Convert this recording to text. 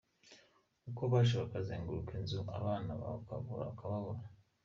Uko baje bakazenguruka inzu abana bakababura.”